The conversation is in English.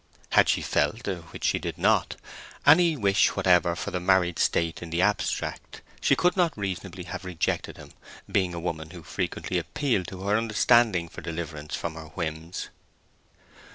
Had she felt, which she did not, any wish whatever for the married state in the abstract, she could not reasonably have rejected him, being a woman who frequently appealed to her understanding for deliverance from her whims.